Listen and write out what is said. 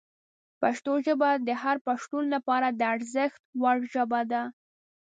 پښتو ژبه د هر پښتون لپاره د ارزښت وړ ژبه ده.